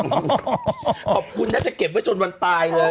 ขอบคุณนะจะเก็บไว้จนวันตายเลย